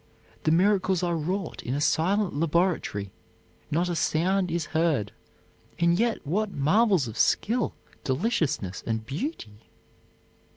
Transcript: The miracles are wrought in a silent laboratory; not a sound is heard, and yet what marvels of skill, deliciousness and beauty?